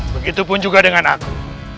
begitu pun juga dengan aku